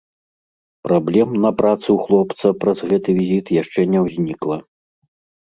Праблем на працы ў хлопца праз гэты візіт яшчэ не ўзнікла.